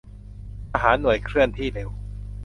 ทหารหน่วยเคลื่อนที่เร็ว